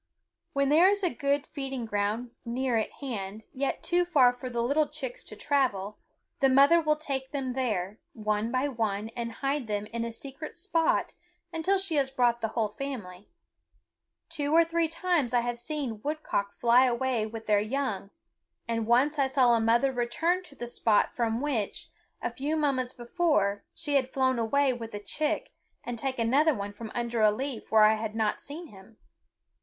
When there is a good feeding ground near at hand, yet too far for the little chicks to travel, the mother will take them there, one by one, and hide them in a secret spot until she has brought the whole family. Two or three times I have seen woodcock fly away with their young; and once I saw a mother return to the spot from which, a few moments before, she had flown away with a chick and take another from under a leaf where I had not seen him.